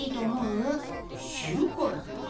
知るかよ。